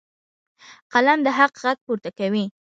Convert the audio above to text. قلم د حق غږ پورته کوي.